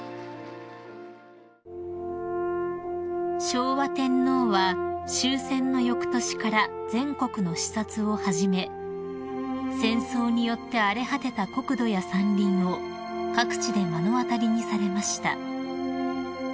［昭和天皇は終戦のよくとしから全国の視察を始め戦争によって荒れ果てた国土や山林を各地で目の当たりにされました］